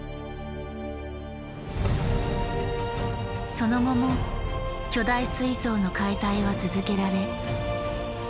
その後も巨大水槽の解体は続けられ。